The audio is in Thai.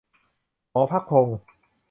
หมอภัคพงศ์